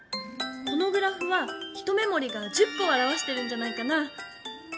このグラフは一目もりが１０こをあらわしてるんじゃないかな？